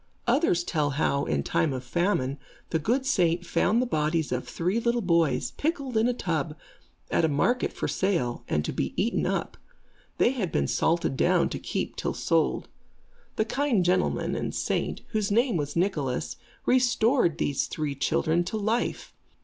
Others tell us how, in time of famine, the good saint found the bodies of three little boys, pickled in a tub, at a market for sale, and to be eaten up. They had been salted down to keep till sold. The kind gentleman and saint, whose name was Nicholas, restored these three children to life.